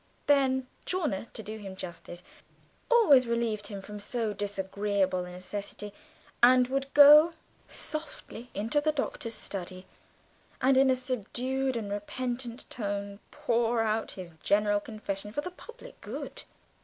Then Chawner, to do him justice, always relieved him from so disagreeable a necessity, and would go softly into the Doctor's study, and, in a subdued and repentant tone, pour out his general confession for the public good.